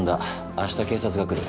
明日警察が来る。